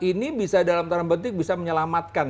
ini bisa dalam tanam betul bisa menyelamatkan